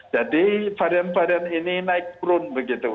jadi varian varian ini naik turun begitu